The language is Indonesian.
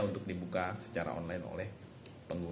untuk dibuka secara online